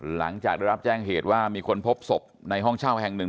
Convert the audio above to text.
หลังจากได้รับแจ้งเหตุว่ามีคนพบศพในห้องเช่าแห่งหนึ่ง